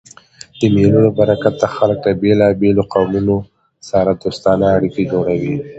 د مېلو له برکته خلک له بېلابېلو قومو سره دوستانه اړیکي جوړوي.